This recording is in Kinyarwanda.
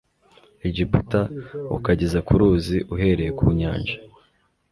egiputa ukageza ku ruzi uhereye ku nyanja